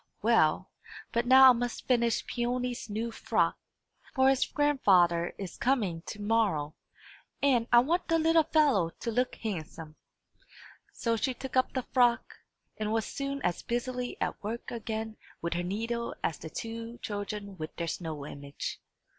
Well; but now I must finish Peony's new frock, for his grandfather is coming to morrow, and I want the little fellow to look handsome." So she took up the frock, and was soon as busily at work again with her needle as the two children with their snow image.